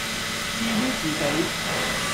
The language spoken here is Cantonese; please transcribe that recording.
至于自己，